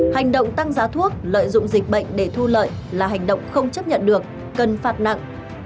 hành động tăng giá thuốc lợi dụng dịch bệnh để thu lợi là hành động không chấp nhận được cần phạt nặng